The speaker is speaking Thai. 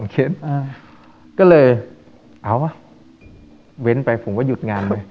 ก็เลยเอาว่ะเว้นไปผมก็หยุดงานไป